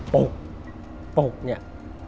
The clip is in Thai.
โป่งเนี่ย